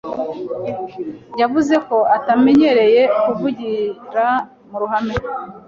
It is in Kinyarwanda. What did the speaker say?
Yavuze ko atamenyereye kuvugira mu ruhame.